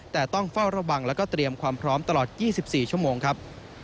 แต่ต้องเฝ้าระวังแล้วก็เตรียมความพร้อมตลอด๒๔ชั่วโมงครับ